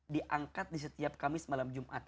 diangkat di setiap kamis malam jumat